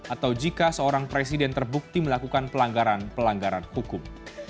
atau jika seorang presiden terbukti melakukan pelanggaran pelanggaran hukum